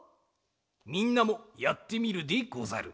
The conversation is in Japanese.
みんなもやってみるでござる。